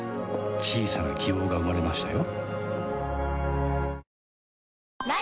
小さな希望が生まれましたよ